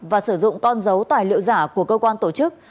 và sử dụng con dấu tài liệu giả của cơ quan tổ chức